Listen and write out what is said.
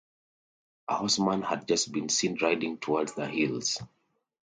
A horseman had just been seen riding towards the hills.